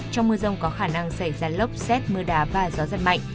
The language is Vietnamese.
trong mưa rông có khả năng xảy ra lốc xét mưa đá và gió giật mạnh